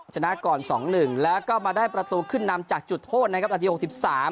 ชนะก่อน๒๑แล้วก็มาได้ประตูขึ้นนำจากจุดโทษนะครับนาที๖๓